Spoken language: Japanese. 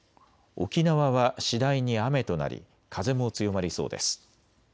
沖縄は次第に雨となり風も強まりそうです。